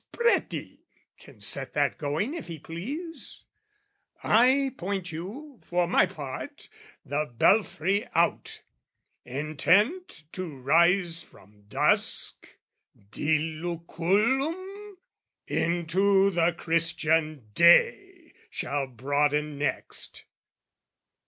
Spreti can set that going if he please, I point you, for my part, the belfry out, Intent to rise from dusk, diluculum, Into the Christian day shall broaden next.